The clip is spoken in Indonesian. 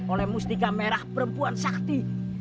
oleh mustika merah perempuan sakti